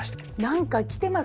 何か来てます